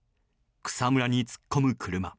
草むらに突っ込む車。